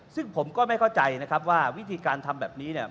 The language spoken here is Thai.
ซึ่งผมก็ไม่เข้าใจนะครับว่าวิธีการทำแบบนี้เนี่ย